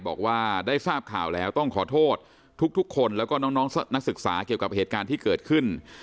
บอกว่าได้ทราบข่าวแล้วต้องขอโทษทุกคนแล้วก็น้องนักศึกษาเกี่ยวกับเหตุการณ์ที่เกิดขึ้น